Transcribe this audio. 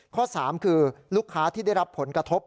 ข้อ๓คือลูกค้าที่ได้รับผลกระทบ